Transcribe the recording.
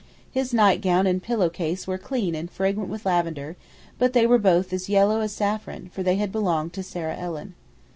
His nightgown and pillow case were clean and fragrant with lavender, but they were both as yellow as saffron, for they had belonged to Sarah Ellen.